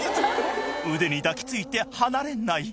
腕に抱きついて離れない。